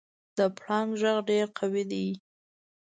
د پړانګ غږ ډېر قوي دی.